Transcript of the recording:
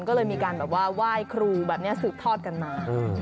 ก็เลยมีการแบบว่าไหว้ครูแบบนี้สืบทอดกันมา